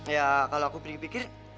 ya kalau aku pikir pikir